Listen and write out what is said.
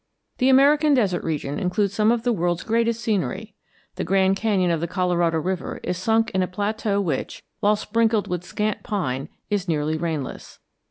The American desert region includes some of the world's greatest scenery. The Grand Canyon of the Colorado River is sunk in a plateau which, while sprinkled with scant pine, is nearly rainless.